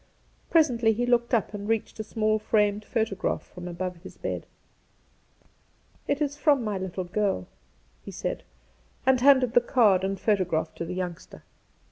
Presently he looked up and reached a small framed photograph from above his bed. ,' It is from my little girl,' he said, and handed the card and photograph to the youngster.